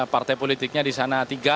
partai politiknya di sana tiga